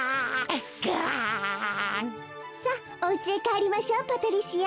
さあおうちへかえりましょうパトリシア。